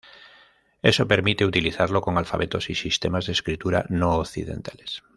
Eso permite utilizarlo con alfabetos y sistemas de escritura no occidentales.